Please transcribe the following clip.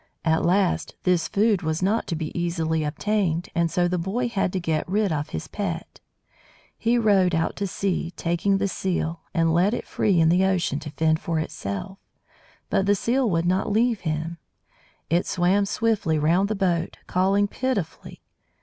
At last, this food was not to be easily obtained, and so the boy had to get rid of his pet. He rowed out to sea, taking the Seal, and let it free in the ocean to fend for itself; but the Seal would not leave him; it swam swiftly round the boat, calling pitifully.